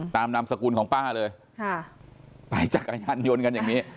นามสกุลของป้าเลยค่ะไปจักรยานยนต์กันอย่างนี้